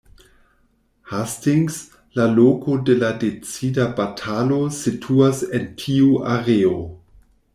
Hastings, la loko de la decida batalo situas en tiu areo.